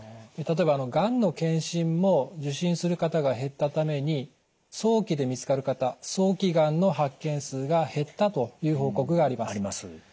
例えばがんの検診も受診する方が減ったために早期で見つかる方早期がんの発見数が減ったという報告があります。